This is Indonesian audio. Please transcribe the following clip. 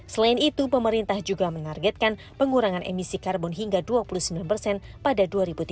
selain itu pemerintah juga menargetkan pengurangan emisi karbon hingga dua puluh sembilan persen pada dua ribu tiga puluh